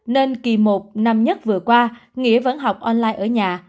nên kỳ một năm nhất vừa qua nghĩa vẫn học online ở nhà